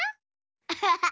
アハハ。